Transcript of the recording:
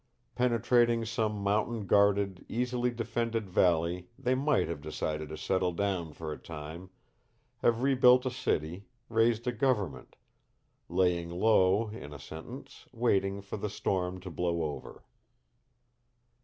Penetrating some mountain guarded, easily defended valley they might have decided to settle down for a time, have rebuilt a city, raised a government; laying low, in a sentence, waiting for the storm to blow over.